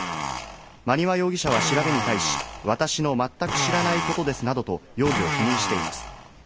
馬庭容疑者は調べに対し、私のまったく知らないことですなどと容疑を否認しています。